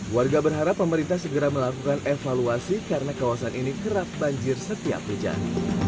warga berharap pemerintah segera melakukan evaluasi karena kawasan ini kerap banjir setiap hujan